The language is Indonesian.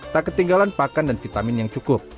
tak ketinggalan pakan dan vitamin yang cukup